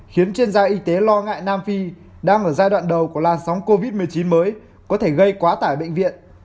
khiến chuyên gia y tế lo ngại nam phi đang ở giai đoạn đầu của lan sóng covid một mươi chín mới có thể gây quá tải bệnh viện